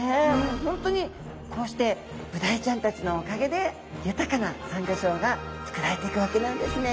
本当にこうしてブダイちゃんたちのおかげで豊かなサンゴ礁がつくられていくわけなんですね。